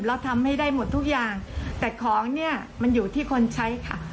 ทำให้ได้หมดทุกอย่างแต่ของเนี่ยมันอยู่ที่คนใช้ค่ะ